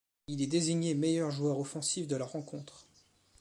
Il est désigné meilleur joueur offensif de la rencontre.